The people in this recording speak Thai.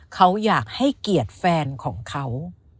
เขาอยากให้เกียรติแฟนของเขา